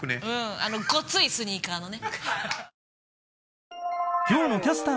あのゴツいスニーカーのね。